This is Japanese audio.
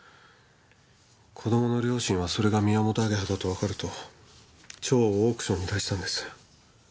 子供の両親はそれがミヤモトアゲハだとわかると蝶をオークションに出したんです。